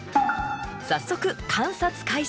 早速観察開始。